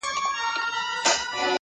پاس پر پالنگه اكثر.